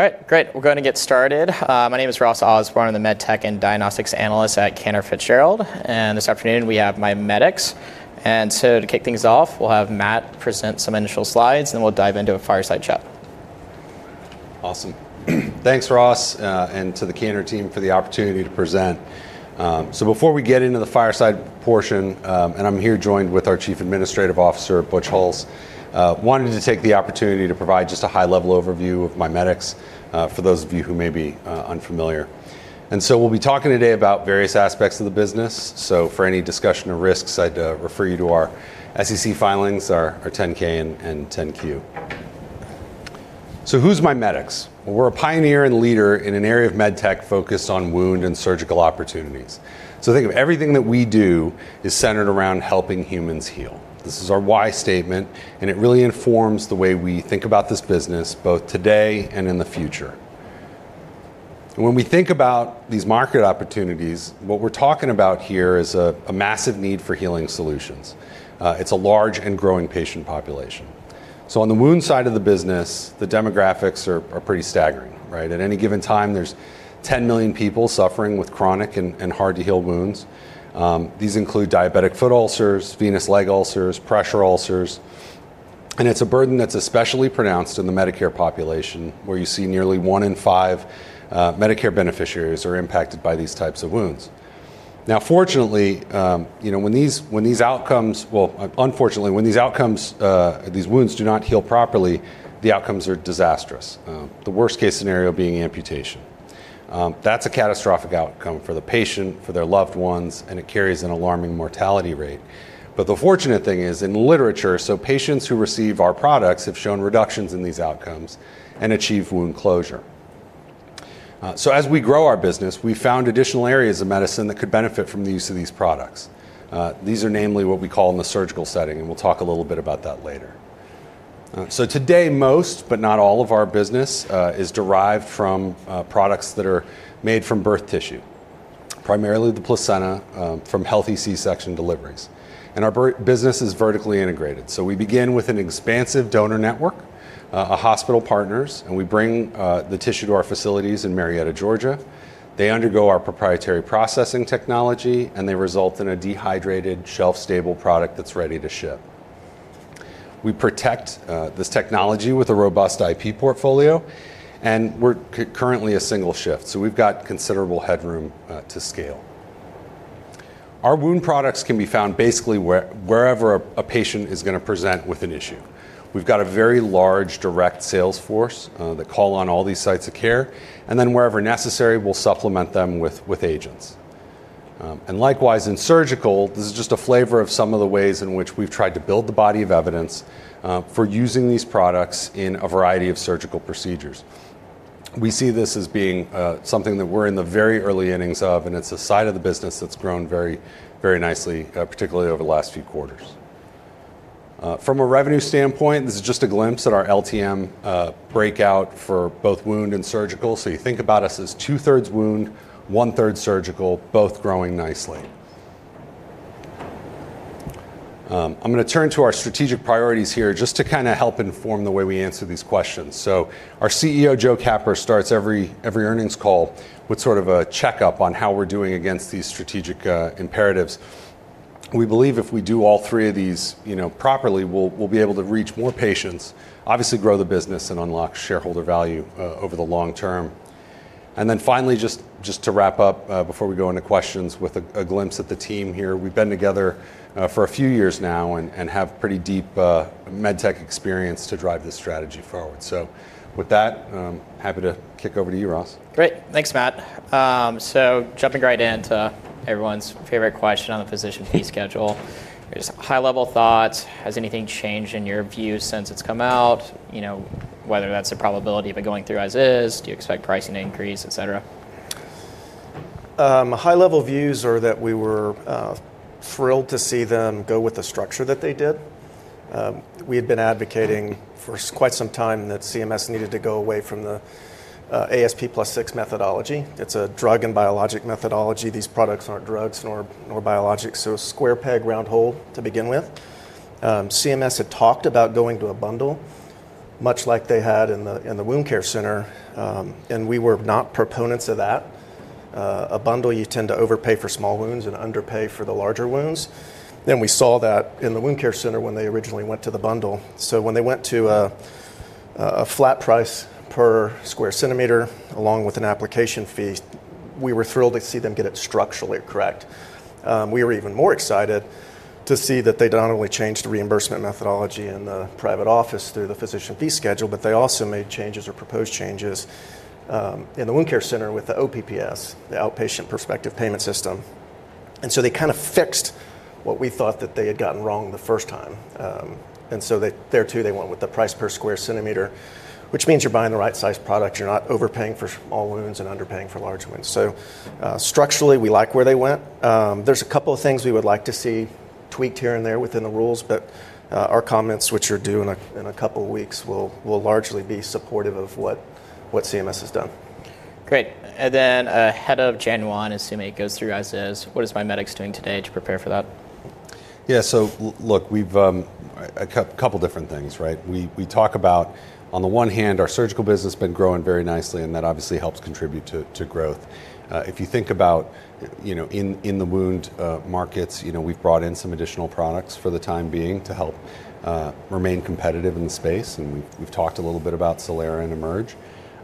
All right, great. We're going to get started. My name is Ross Osborn. I'm the MedTech and Diagnostics Analyst at Cantor Fitzgerald. And this afternoon, we have MiMedx here. And so to kick things off, we'll have Matt present some initial slides, and then we'll dive into a fireside chat. Awesome. Thanks, Ross, and to the Cantor team for the opportunity to present. Before we get into the fireside portion, and I'm here joined with our Chief Administrative Officer, Butch Hulse, wanted to take the opportunity to provide just a high-level overview of MiMedx Group, Inc., for those of you who may be unfamiliar, and so we'll be talking today about various aspects of the business. For any discussion of risks, I'd refer you to our SEC filings, our Form 10-K and Form 10-Q. Who's MiMedx? We're a pioneer and leader in an area of MedTech focused on wound and surgical opportunities. Think of everything that we do as centered around helping humans heal. This is our why statement, and it really informs the way we think about this business both today and in the future. When we think about these market opportunities, what we're talking about here is a massive need for healing solutions. It's a large and growing patient population. On the wound side of the business, the demographics are pretty staggering. At any given time, there's 10 million people suffering with chronic and hard-to-heal wounds. These include diabetic foot ulcers, venous leg ulcers, pressure ulcers. It's a burden that's especially pronounced in the Medicare population, where you see nearly one in five Medicare beneficiaries are impacted by these types of wounds. Now, fortunately, when these outcomes, well, unfortunately, when these outcomes, these wounds do not heal properly, the outcomes are disastrous. The worst-case scenario being amputation. That's a catastrophic outcome for the patient, for their loved ones, and it carries an alarming mortality rate. But the fortunate thing is, in literature, patients who receive our products have shown reductions in these outcomes and achieve wound closure. So as we grow our business, we found additional areas of medicine that could benefit from the use of these products. These are namely what we call in the surgical setting, and we'll talk a little bit about that later. So today, most, but not all, of our business is derived from products that are made from birth tissue, primarily the placenta from healthy C-section deliveries. And our business is vertically integrated. So we begin with an expansive donor network, our hospital partners, and we bring the tissue to our facilities in Marietta, Georgia. They undergo our proprietary processing technology, and they result in a dehydrated, shelf-stable product that's ready to ship. We protect this technology with a robust IP portfolio, and we're currently a single shift. We've got considerable headroom to scale. Our wound products can be found basically wherever a patient is going to present with an issue. We've got a very large, direct sales force that calls on all these sites of care, and then wherever necessary, we'll supplement them with agents. Likewise, in surgical, this is just a flavor of some of the ways in which we've tried to build the body of evidence for using these products in a variety of surgical procedures. We see this as being something that we're in the very early innings of, and it's a side of the business that's grown very, very nicely, particularly over the last few quarters. From a revenue standpoint, this is just a glimpse at our LTM breakout for both wound and surgical. You think about us as 2/3 wound, 1/3 surgical, both growing nicely. I'm going to turn to our strategic priorities here just to kind of help inform the way we answer these questions. So our CEO, Joe Capper, starts every earnings call with sort of a checkup on how we're doing against these strategic imperatives. We believe if we do all three of these properly, we'll be able to reach more patients, obviously grow the business, and unlock shareholder value over the long term, and then finally, just to wrap up before we go into questions with a glimpse at the team here, we've been together for a few years now and have pretty deep MedTech experience to drive this strategy forward, so with that, happy to kick over to you, Ross. Great. Thanks, Matt. So jumping right into everyone's favorite question on the Physician Fee Schedule, just high-level thoughts. Has anything changed in your view since it's come out, whether that's the probability of it going through as is? Do you expect pricing to increase, etc.? High-level views are that we were thrilled to see them go with the structure that they did. We had been advocating for quite some time that CMS needed to go away from the ASP plus 6% methodology. It's a drug and biologics methodology. These products aren't drugs nor biologics. So square peg, round hole to begin with. CMS had talked about going to a bundle, much like they had in the wound care center, and we were not proponents of that. A bundle, you tend to overpay for small wounds and underpay for the larger wounds. And we saw that in the wound care center when they originally went to the bundle. So when they went to a flat price per square centimeter along with an application fee, we were thrilled to see them get it structurally correct. We were even more excited to see that they not only changed the reimbursement methodology in the private office through the Physician Fee Schedule, but they also made changes or proposed changes in the wound care center with the OPPS, the outpatient prospective payment system. And so they kind of fixed what we thought that they had gotten wrong the first time. And so there, too, they went with the price per square centimeter, which means you're buying the right size product. You're not overpaying for small wounds and underpaying for large wounds. So structurally, we like where they went. There's a couple of things we would like to see tweaked here and there within the rules, but our comments, which are due in a couple of weeks, will largely be supportive of what CMS has done. Great. And then ahead of January and assuming it goes through as is, what is MiMedx Group doing today to prepare for that? Yeah, so look, we've a couple of different things. We talk about, on the one hand, our surgical business has been growing very nicely, and that obviously helps contribute to growth. If you think about in the wound markets, we've brought in some additional products for the time being to help remain competitive in the space. And we've talked a little bit about CELERA and EMERGE.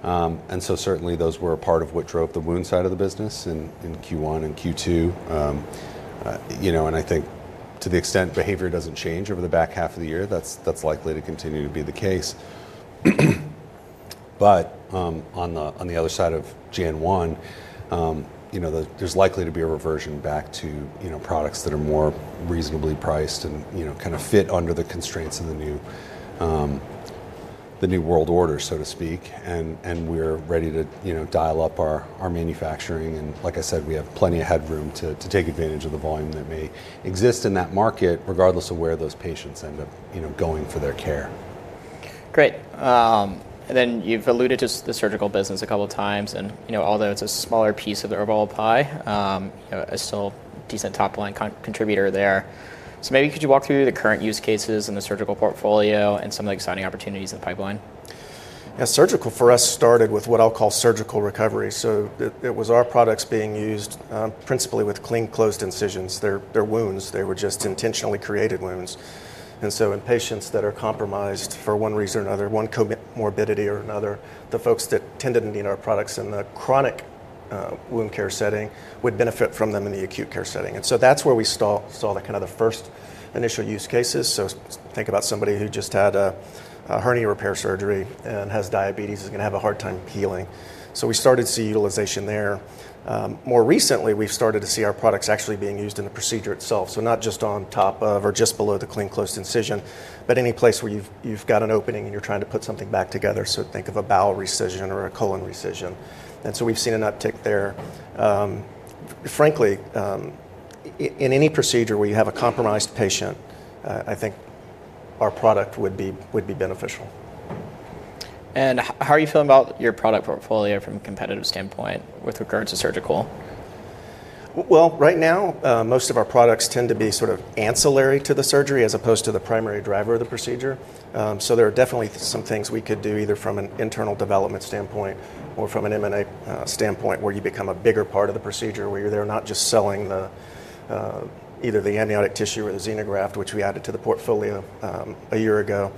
And so certainly, those were a part of what drove the wound side of the business in Q1 and Q2. And I think to the extent behavior doesn't change over the back half of the year, that's likely to continue to be the case. But on the other side of January 1, there's likely to be a reversion back to products that are more reasonably priced and kind of fit under the constraints of the new world order, so to speak. We're ready to dial up our manufacturing. Like I said, we have plenty of headroom to take advantage of the volume that may exist in that market, regardless of where those patients end up going for their care. Great. And then you've alluded to the surgical business a couple of times. And although it's a smaller piece of the overall pie, it's still a decent top-line contributor there. So maybe could you walk through the current use cases in the surgical portfolio and some of the exciting opportunities in the pipeline? Yeah, surgical for us started with what I'll call surgical recovery. So it was our products being used principally with clean closed incisions. They're wounds. They were just intentionally created wounds. And so in patients that are compromised for one reason or another, one comorbidity or another, the folks that tended to need our products in the chronic wound care setting would benefit from them in the acute care setting. And so that's where we saw kind of the first initial use cases. So think about somebody who just had a hernia repair surgery and has diabetes and is going to have a hard time healing. So we started to see utilization there. More recently, we've started to see our products actually being used in the procedure itself. So not just on top of or just below the clean closed incision, but any place where you've got an opening and you're trying to put something back together. So think of a bowel resection or a colon resection. And so we've seen an uptick there. Frankly, in any procedure where you have a compromised patient, I think our product would be beneficial. How are you feeling about your product portfolio from a competitive standpoint with regards to surgical? Right now, most of our products tend to be sort of ancillary to the surgery as opposed to the primary driver of the procedure. So there are definitely some things we could do either from an internal development standpoint or from an M&A standpoint where you become a bigger part of the procedure, where you're there not just selling either the amniotic tissue or the xenograft, which we added to the portfolio a year ago,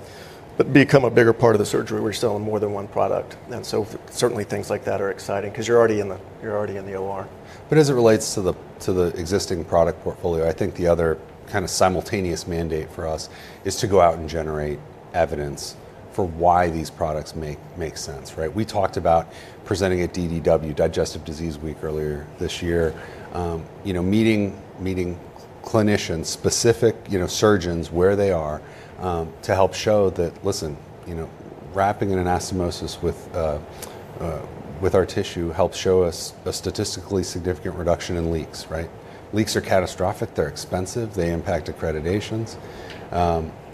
but become a bigger part of the surgery. We're selling more than one product. And so certainly, things like that are exciting because you're already in the OR. But as it relates to the existing product portfolio, I think the other kind of simultaneous mandate for us is to go out and generate evidence for why these products make sense. We talked about presenting at DDW, Digestive Disease Week, earlier this year, meeting clinicians, specific surgeons where they are to help show that, listen, wrapping an anastomosis with our tissue helps show us a statistically significant reduction in leaks. Leaks are catastrophic. They're expensive. They impact accreditations.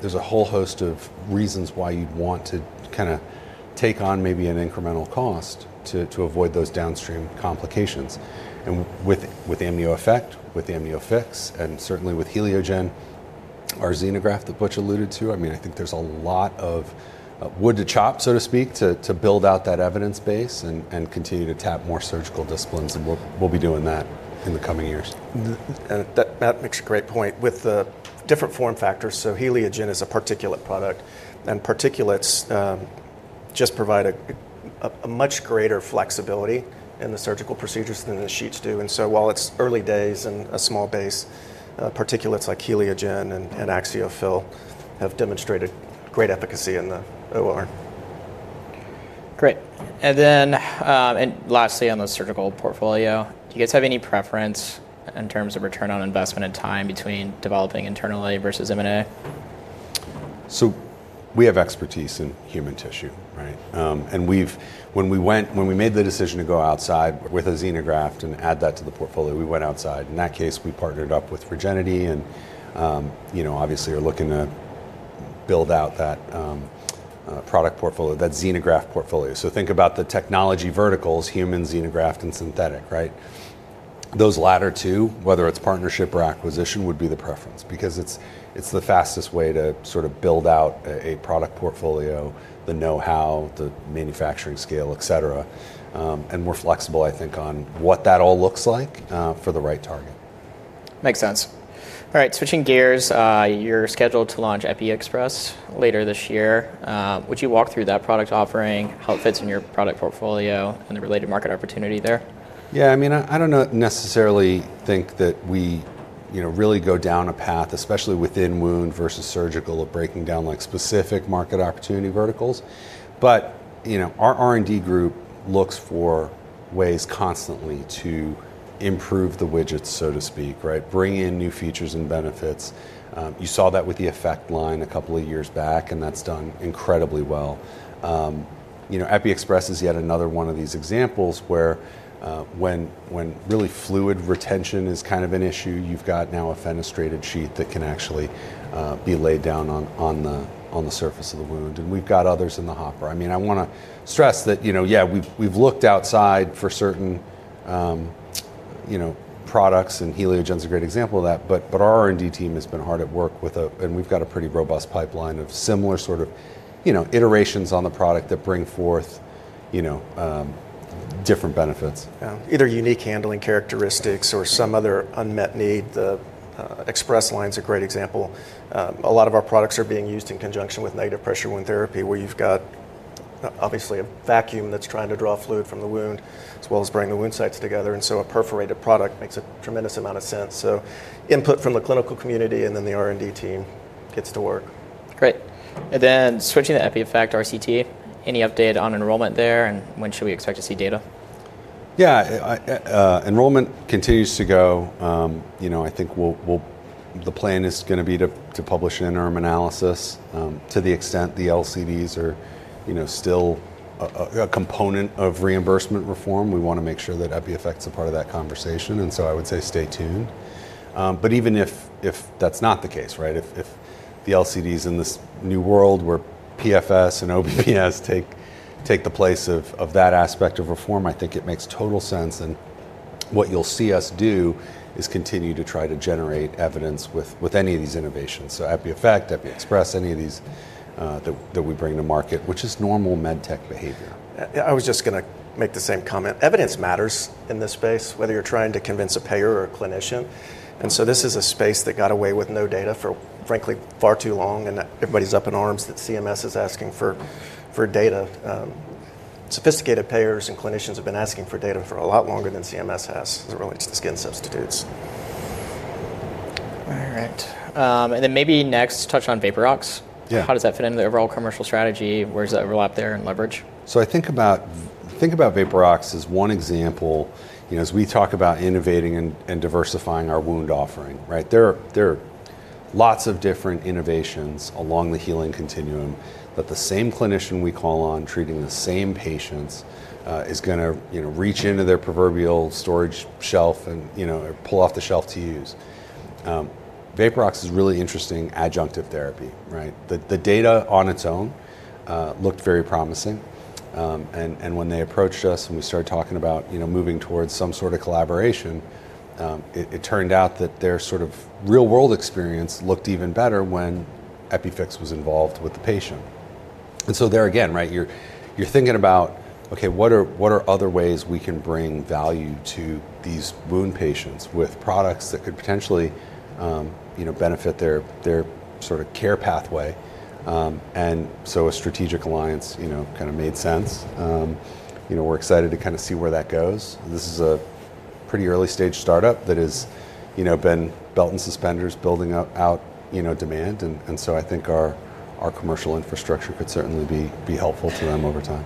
There's a whole host of reasons why you'd want to kind of take on maybe an incremental cost to avoid those downstream complications. And with AMNIOEFFECT, with AMNIOFIX, and certainly with HELIOGEN, our xenograft that Butch alluded to, I mean, I think there's a lot of wood to chop, so to speak, to build out that evidence base and continue to tap more surgical disciplines. And we'll be doing that in the coming years. That makes a great point. With the different form factors, so HELIOGEN is a particulate product, and particulates just provide a much greater flexibility in the surgical procedures than the sheets do. And so while it's early days and a small base, particulates like HELIOGEN and AXIOFILL have demonstrated great efficacy in the OR. Great. And then lastly, on the surgical portfolio, do you guys have any preference in terms of return on investment and time between developing internally versus M&A? So we have expertise in human tissue. And when we made the decision to go outside with a xenograft and add that to the portfolio, we went outside. In that case, we partnered up with Regenity and obviously are looking to build out that product portfolio, that xenograft portfolio. So think about the technology verticals, human, xenograft, and synthetic. Those latter two, whether it's partnership or acquisition, would be the preference because it's the fastest way to sort of build out a product portfolio, the know-how, the manufacturing scale, etc., and more flexible, I think, on what that all looks like for the right target. Makes sense. All right, switching gears, you're scheduled to launch EPIXPRESS later this year. Would you walk through that product offering, how it fits in your product portfolio, and the related market opportunity there? Yeah, I mean, I don't necessarily think that we really go down a path, especially within wound versus surgical, of breaking down specific market opportunity verticals. But our R&D group looks for ways constantly to improve the widgets, so to speak, bring in new features and benefits. You saw that with the Effect line a couple of years back, and that's done incredibly well. EPIXPRESS is yet another one of these examples where when really fluid retention is kind of an issue, you've got now a fenestrated sheet that can actually be laid down on the surface of the wound. And we've got others in the hopper. I mean, I want to stress that, yeah, we've looked outside for certain products, and HELIOGEN is a great example of that. But our R&D team has been hard at work with, and we've got a pretty robust pipeline of similar sort of iterations on the product that bring forth different benefits. Either unique handling characteristics or some other unmet need. The EPIXPRESS line is a great example. A lot of our products are being used in conjunction with negative pressure wound therapy, where you've got obviously a vacuum that's trying to draw fluid from the wound as well as bringing the wound sites together. And so a perforated product makes a tremendous amount of sense. So input from the clinical community and then the R&D team gets to work. Great. And then switching to EPIEFFECT, RCT, any update on enrollment there and when should we expect to see data? Yeah, enrollment continues to go. I think the plan is going to be to publish an interim analysis to the extent the LCDs are still a component of reimbursement reform. We want to make sure that EPIEFFECT is a part of that conversation. And so I would say stay tuned. But even if that's not the case, if the LCDs in this new world where PFS and OPPS take the place of that aspect of reform, I think it makes total sense. And what you'll see us do is continue to try to generate evidence with any of these innovations. So EPIEFFECT, EPIXPRESS, any of these that we bring to market, which is normal MedTech behavior. I was just going to make the same comment. Evidence matters in this space, whether you're trying to convince a payer or a clinician. And so this is a space that got away with no data for, frankly, far too long. And everybody's up in arms that CMS is asking for data. Sophisticated payers and clinicians have been asking for data for a lot longer than CMS has related to skin substitutes. All right. And then maybe next, touch on Vaporox. How does that fit into the overall commercial strategy? Where's the overlap there in leverage? So I think about Vaporox as one example as we talk about innovating and diversifying our wound offering. There are lots of different innovations along the healing continuum that the same clinician we call on treating the same patients is going to reach into their proverbial storage shelf and pull off the shelf to use. Vaporox is really interesting adjunctive therapy. The data on its own looked very promising. And when they approached us and we started talking about moving towards some sort of collaboration, it turned out that their sort of real-world experience looked even better when EPIFIX was involved with the patient. And so there again, you're thinking about, okay, what are other ways we can bring value to these wound patients with products that could potentially benefit their sort of care pathway? And so a strategic alliance kind of made sense. We're excited to kind of see where that goes. This is a pretty early-stage startup that has been belt and suspenders building out demand. And so I think our commercial infrastructure could certainly be helpful to them over time.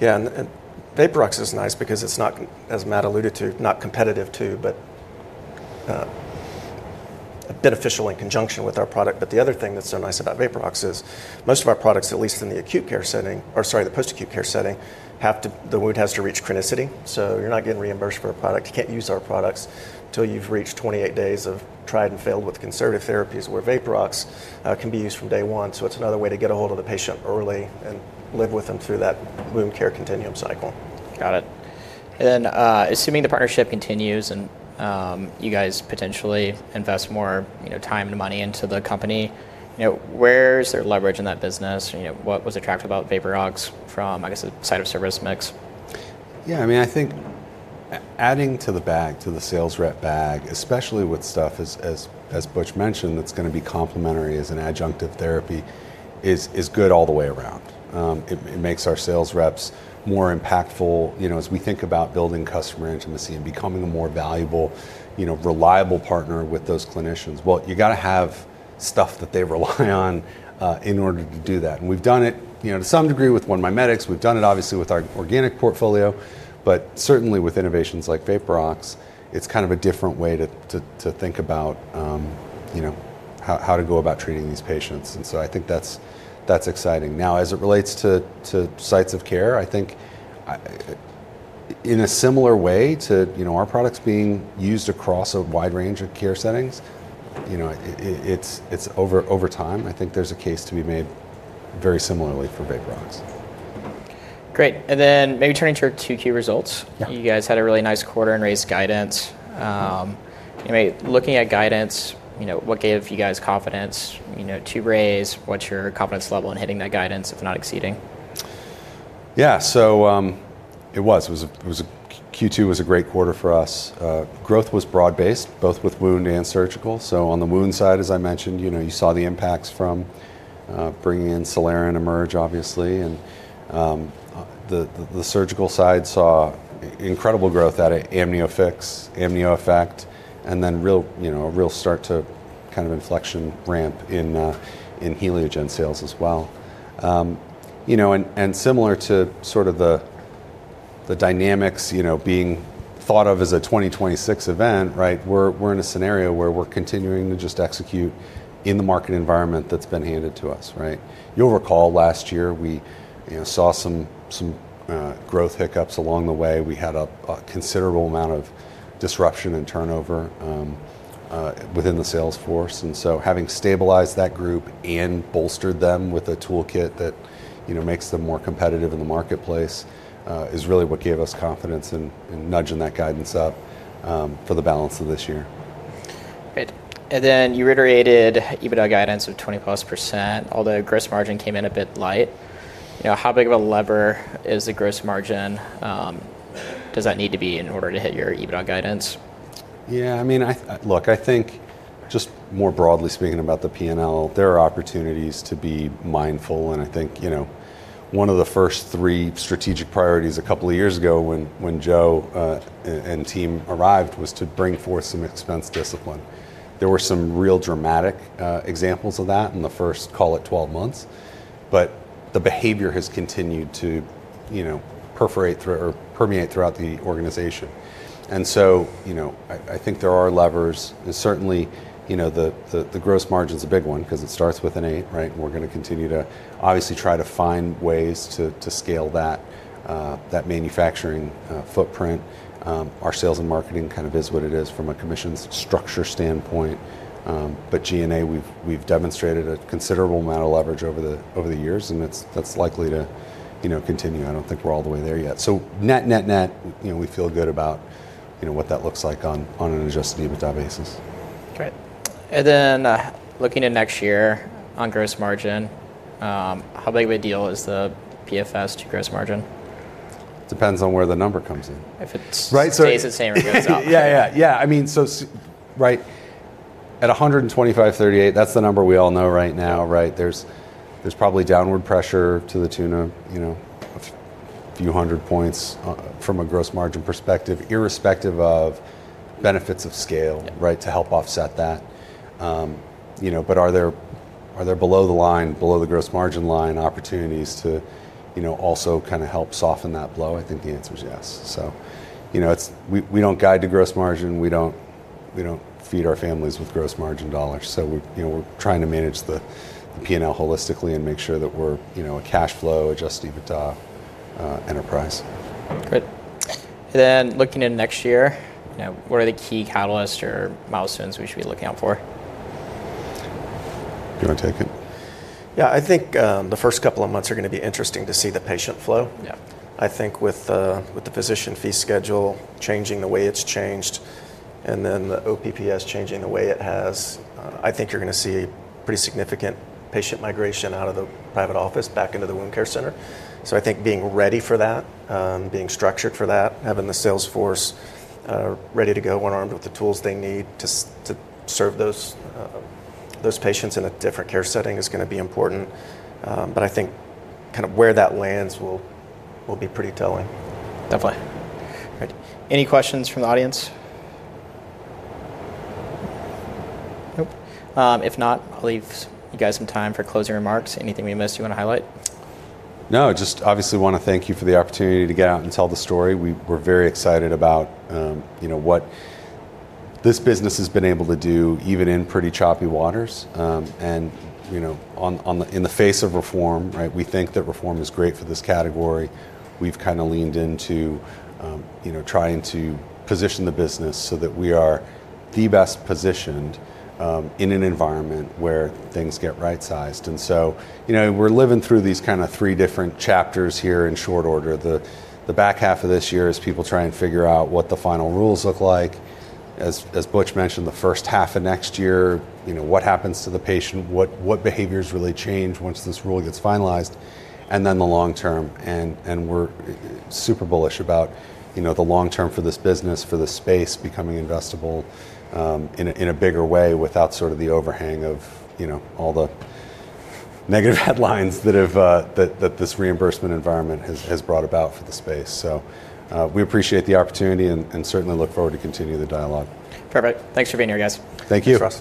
Yeah, and Vaporox is nice because it's not, as Matt alluded to, not competitive too, but beneficial in conjunction with our product. But the other thing that's so nice about Vaporox is most of our products, at least in the acute care setting or sorry, the post-acute care setting, the wound has to reach chronicity. So you're not getting reimbursed for a product. You can't use our products until you've reached 28 days of tried and failed with conservative therapies where Vaporox can be used from day one. So it's another way to get a hold of the patient early and live with them through that wound care continuum cycle. Got it, and then assuming the partnership continues and you guys potentially invest more time and money into the company, where is there leverage in that business? What was attractive about Vaporox from, I guess, the site of service mix? Yeah, I mean, I think adding to the bag, to the sales rep bag, especially with stuff, as Butch mentioned, that's going to be complementary as an adjunctive therapy is good all the way around. It makes our sales reps more impactful as we think about building customer intimacy and becoming a more valuable, reliable partner with those clinicians. Well, you've got to have stuff that they rely on in order to do that. And we've done it to some degree with MiMedx. We've done it, obviously, with our organic portfolio. But certainly with innovations like Vaporox, it's kind of a different way to think about how to go about treating these patients. And so I think that's exciting. Now, as it relates to sites of care, I think in a similar way to our products being used across a wide range of care settings, it's over time. I think there's a case to be made very similarly for Vaporox. Great, and then maybe turning to your Q2 key results. You guys had a really nice quarter and raised guidance. Looking at guidance, what gave you guys confidence to raise? What's your confidence level in hitting that guidance, if not exceeding? Yeah, so it was. Q2 was a great quarter for us. Growth was broad-based, both with wound and surgical. So on the wound side, as I mentioned, you saw the impacts from bringing in CELERA and EMERGE, obviously. And the surgical side saw incredible growth at AMNIOFIX, AMNIOEFFECT, and then a real start to kind of inflection ramp in HELIOGENsales as well. And similar to sort of the dynamics being thought of as a 2026 event, we're in a scenario where we're continuing to just execute in the market environment that's been handed to us. You'll recall last year we saw some growth hiccups along the way. We had a considerable amount of disruption and turnover within the sales force. Having stabilized that group and bolstered them with a toolkit that makes them more competitive in the marketplace is really what gave us confidence in nudging that guidance up for the balance of this year. Great. And then you reiterated EBITDA guidance of 20+%, although gross margin came in a bit light. How big of a lever is the gross margin? Does that need to be in order to hit your EBITDA guidance? Yeah, I mean, look, I think just more broadly speaking about the P&L, there are opportunities to be mindful. And I think one of the first three strategic priorities a couple of years ago when Joe and team arrived was to bring forth some expense discipline. There were some real dramatic examples of that in the first, call it, 12 months. But the behavior has continued to perforate or permeate throughout the organization. And so I think there are levers. And certainly the gross margin is a big one because it starts with an eight. And we're going to continue to obviously try to find ways to scale that manufacturing footprint. Our sales and marketing kind of is what it is from a commissions structure standpoint. But G&A, we've demonstrated a considerable amount of leverage over the years, and that's likely to continue. I don't think we're all the way there yet. So net, net, net, we feel good about what that looks like on an adjusted EBITDA basis. Great. And then looking at next year on gross margin, how big of a deal is the PFS to gross margin? Depends on where the number comes in. If it stays the same or goes up. Yeah, yeah, yeah. I mean, so right at 125.38, that's the number we all know right now. There's probably downward pressure to the tune of a few hundred points from a gross margin perspective, irrespective of benefits of scale to help offset that. But are there below the line, below the gross margin line opportunities to also kind of help soften that blow? I think the answer is yes. So we don't guide to gross margin. We don't feed our families with gross margin dollars. So we're trying to manage the P&L holistically and make sure that we're a cash flow adjusted EBITDA enterprise. Great. And then looking at next year, what are the key catalysts or milestones we should be looking out for? Do you want to take it? Yeah, I think the first couple of months are going to be interesting to see the patient flow. I think with the physician fee schedule changing the way it's changed and then the OPPS changing the way it has, I think you're going to see pretty significant patient migration out of the private office back into the wound care center. So I think being ready for that, being structured for that, having the sales force ready to go, armed with the tools they need to serve those patients in a different care setting is going to be important. But I think kind of where that lands will be pretty telling. Definitely. Any questions from the audience? Nope? If not, I'll leave you guys some time for closing remarks. Anything we missed you want to highlight? No, just obviously want to thank you for the opportunity to get out and tell the story. We're very excited about what this business has been able to do even in pretty choppy waters. And in the face of reform, we think that reform is great for this category. We've kind of leaned into trying to position the business so that we are the best positioned in an environment where things get right-sized. And so we're living through these kind of three different chapters here in short order. The back half of this year is people trying to figure out what the final rules look like. As Butch mentioned, the first half of next year, what happens to the patient, what behaviors really change once this rule gets finalized, and then the long term. And we're super bullish about the long term for this business, for the space becoming investable in a bigger way without sort of the overhang of all the negative headlines that this reimbursement environment has brought about for the space. So we appreciate the opportunity and certainly look forward to continuing the dialogue. Perfect. Thanks for being here, guys. Thank you, Ross.